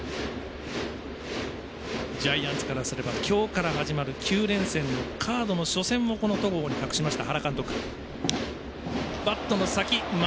ジャイアンツからすれば今日から始まる９連戦のカードの初戦も戸郷に託しました、原監督。